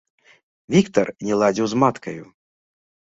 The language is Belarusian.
Віктар не ладзіў з маткаю.